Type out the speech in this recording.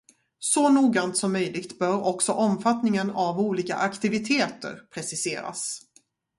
Så noggrant som möjligt bör också omfattningen av olika aktiviteter preciseras.